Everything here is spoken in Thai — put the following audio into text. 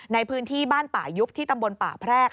ในพื้นที่บ้านป่ายุบที่ตำบลป่าแพรก